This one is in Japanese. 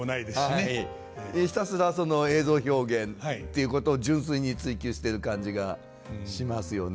ひたすらその映像表現ということを純粋に追求してる感じがしますよね。